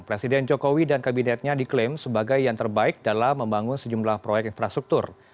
presiden jokowi dan kabinetnya diklaim sebagai yang terbaik dalam membangun sejumlah proyek infrastruktur